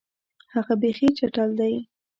هغه بیخي چټل دی.